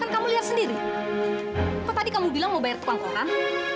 kamu lihat sendiri kok tadi kamu bilang mau bayar tukang koran